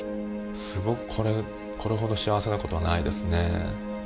すごくこれほど幸せな事はないですね。